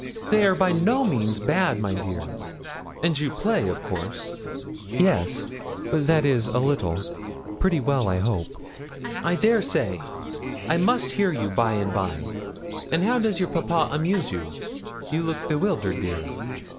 'They are by no means bad, my dear; and you play, of course?' 'Yes that is, a little pretty well, I hope.' 'I dare say. I must hear you by and by. And how does your papa amuse you? You look bewildered, dear.